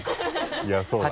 いやそうだね。